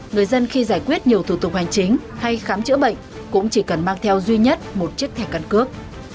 người dân khi giải quyết nhiều thủ tục hành chính hay khám chữa bệnh cũng chỉ cần mang theo duy nhất một chiếc thẻ căn cước